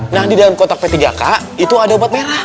nah di dalam kotak p tiga k itu ada obat merah